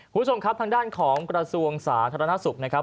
คุณผู้ชมครับทางด้านของกระทรวงสาธารณสุขนะครับ